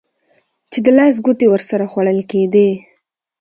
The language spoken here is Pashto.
چې د لاس ګوتې ورسره خوړل کېدې.